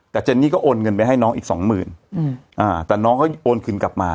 แต่เจนนี่ก็โอนเงินไปให้น้องอีกสองหมื่นแต่น้องเขาโอนคืนกลับมา